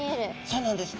そうなんです。